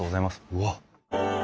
うわっ！